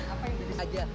apa yang jadi